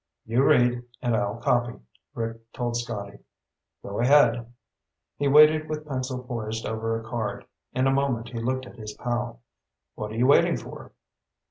"You read and I'll copy," Rick told Scotty. "Go ahead." He waited with pencil poised over a card. In a moment he looked at his pal. "What are you waiting for?"